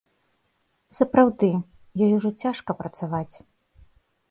Сапраўды, ёй ужо цяжка працаваць.